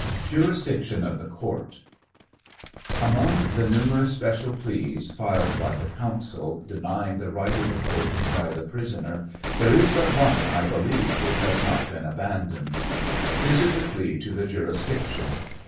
JURISDICTION OF THE COURT. Among the numerous special pleas filed by the counsel, denying the right of the court to try the prisoner, there is but one, I believe, which has not been abandoned. This is the plea to the jurisdiction.